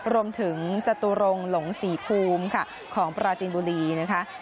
จตุรงค์หลงศรีภูมิค่ะของปราจีนบุรีนะคะ